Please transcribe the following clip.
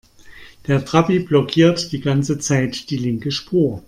Der Trabi blockiert die ganze Zeit die linke Spur.